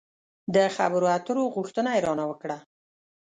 د خبرو اترو غوښتنه يې را نه وکړه.